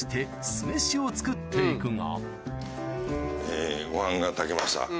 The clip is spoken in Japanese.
えご飯が炊けました。